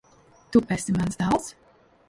Tu esi mans dēls?